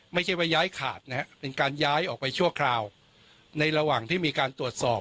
ไม่ใช่ว่าย้ายขาดนะฮะเป็นการย้ายออกไปชั่วคราวในระหว่างที่มีการตรวจสอบ